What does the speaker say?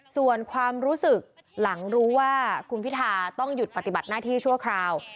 ส่วนความรู้สึกหลังรู้ว่าคุณพิทาต้องหยุดปฏิบัติหน้าที่ชั่วคราว